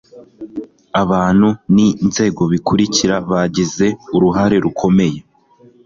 abantu n inzego bikurikira bagize uruhare rukomeye